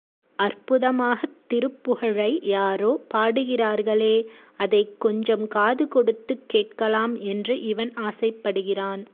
அற்புதமாகத் திருப்புகழை யாரோ பாடுகிறார்களே அதைக் கொஞ்சம் காது கொடுத்துக் கேட்கலாம் என்று இவன் ஆசைப்படுகிறான்.